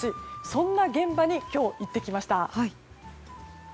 そんな現場に今日、行ってきました。